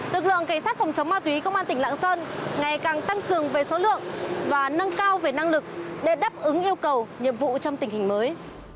lực lượng cảnh sát phòng chống ma túy công an tỉnh lạng sơn ngày càng tăng cường về số lượng và nâng cao về năng lực để đáp ứng yêu cầu nhiệm vụ trong tình hình mới